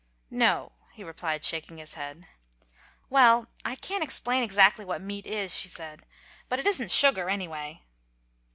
"No," he replied, shaking his head. "Well, I can't explain exactly what meat is," she said; "but it isn't sugar, anyway."